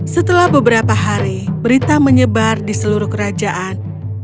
setelah beberapa hari berita menyebar di seluruh kerajaan